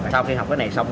sau khi học cái này xong